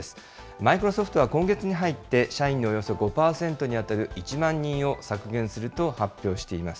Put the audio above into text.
マイクロソフトは今月に入って、社員のおよそ５％に当たる１万人を削減すると発表しています。